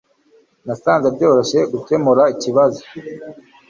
Nasanze byoroshye gukemura ikibazo